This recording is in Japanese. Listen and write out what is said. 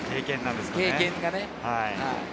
経験がね。